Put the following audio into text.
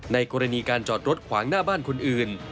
กรณีการจอดรถขวางหน้าบ้านคนอื่น